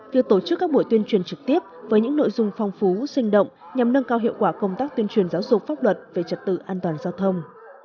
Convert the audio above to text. việc tổ chức các buổi tuyên truyền trực tiếp với những nội dung phong phú sinh động nhằm nâng cao hiệu quả công tác tuyên truyền giáo dục pháp luật về trật tự an toàn giao thông